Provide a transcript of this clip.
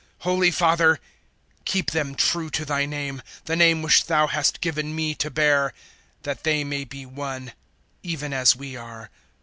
"Holy Father, keep them true to Thy name the name which Thou hast given me to bear that they may be one, even as we are.